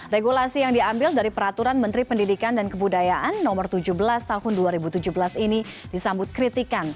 regulasi yang diambil dari peraturan menteri pendidikan dan kebudayaan no tujuh belas tahun dua ribu tujuh belas ini disambut kritikan